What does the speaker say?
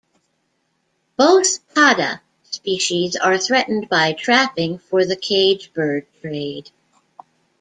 Both "Padda" species are threatened by trapping for the cage bird trade.